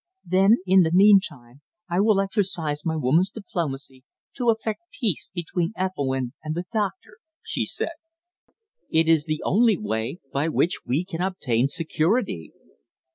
"Then, in the meantime, I will exercise my woman's diplomacy to effect peace between Ethelwynn and the doctor," she said. "It is the only way by which we can obtain security."